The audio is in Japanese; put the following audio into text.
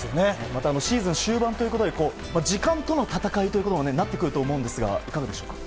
またシーズン終盤ということで時間との戦いにもなってくると思いますがいかがでしょうか。